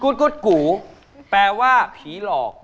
กุ๊ดกูแปลว่าผีหลอก